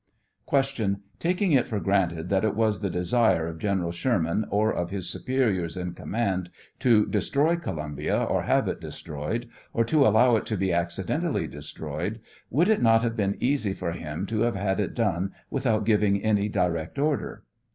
Q. Taking it for granted that it was the desire of General Sherman, or of his superiors in command, to destroy Columbia, or have it destroyed, or to allow it to be accidentally destroyed, would it not have been easy for him to have had it done without giving any direct order